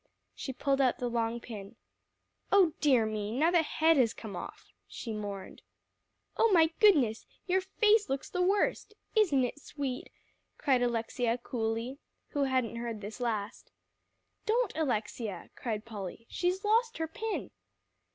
She pulled out the long pin. "Oh dear me! now the head has come off," she mourned. "Oh my goodness! Your face looks the worst isn't it sweet!" cried Alexia coolly, who hadn't heard this last. "Don't, Alexia," cried Polly, "she's lost her pin."